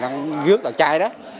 đang rước đằng trai đó